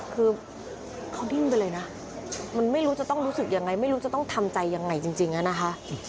คือเขาดิ้นไปเลยนะมันไม่รู้จะต้องรู้สึกยังไงไม่รู้จะต้องทำใจยังไงจริงอะนะคะ